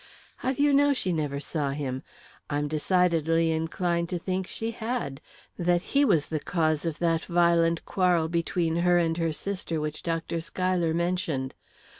"How do you know she never saw him? I'm decidedly inclined to think she had that he was the cause of that violent quarrel between her and her sister which Dr. Schuyler mentioned.